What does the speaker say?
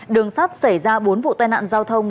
đường sắt xảy ra bốn vụ tai nạn giao thông